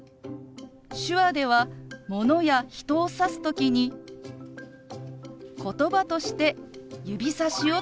手話ではものや人を指す時にことばとして指さしを使います。